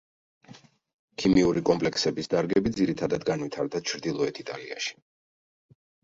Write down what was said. ქიმიური კომპლექსების დარგები ძირითადად განვითარდა ჩრდილოეთ იტალიაში.